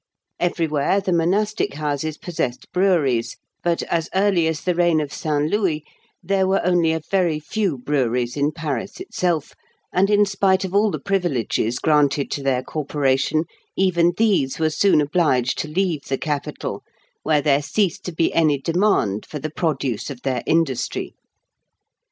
Everywhere the monastic houses possessed breweries; but as early as the reign of St. Louis there were only a very few breweries in Paris itself, and, in spite of all the privileges granted to their corporation, even these were soon obliged to leave the capital, where there ceased to be any demand for the produce of their industry.